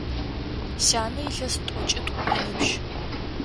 Сянэ илъэс тӏокӏитӏу ыныбжь.